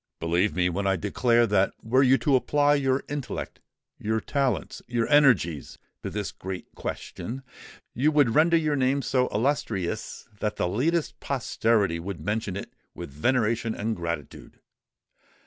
Believe me, when I declare that were you to apply your intellect—your talents—your energies, to this great question, you would render your name so illustrious that the latest posterity would mention it with veneration and gratitude!"